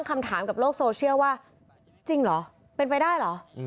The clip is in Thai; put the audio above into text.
กับโลกโซเชียลว่าจริงเหรอเป็นไปได้เหรออืม